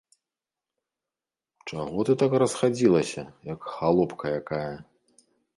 Чаго ты так расхадзілася, як халопка якая?